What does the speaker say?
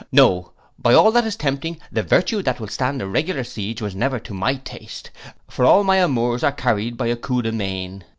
No, by all that's tempting, the virtue that will stand a regular siege was never to my taste; for all my amours are carried by a coup de main.